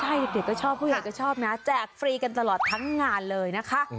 ใช่เด็กก็ชอบผู้ใหญ่ก็ชอบนะแจกฟรีกันตลอดทั้งงานเลยนะคะ